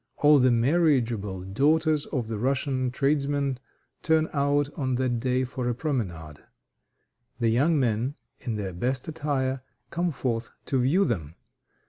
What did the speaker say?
All the marriageable daughters of the Russian tradesmen turn out on that day for a promenade. The young men, in their best attire, come forth to view them.